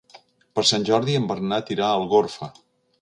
Per Sant Jordi en Bernat irà a Algorfa.